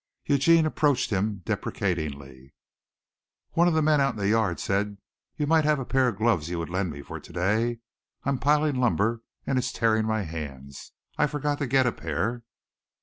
Eugene approached him deprecatingly. "One of the men out in the yard said that you might have a pair of gloves you would lend me for to day. I'm piling lumber and it's tearing my hands. I forgot to get a pair."